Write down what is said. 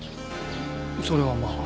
それはまあ。